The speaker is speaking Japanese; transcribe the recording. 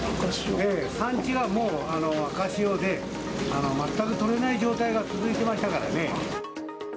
ええ、産地がもう赤潮で全く取れない状態が続いてましたからね。